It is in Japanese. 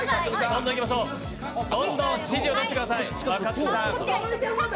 どんどん指示を出してください。